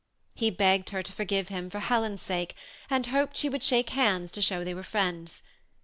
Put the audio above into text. He begged her to forgive him, for Helen's sake, and hoped she would shake hands to show they were friends.